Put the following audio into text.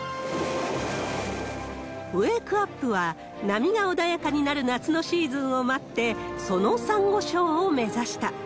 ウェークアップは、波が穏やかになる夏のシーズンを待って、そのサンゴ礁を目指した。